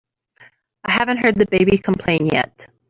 I haven't heard the baby complain yet.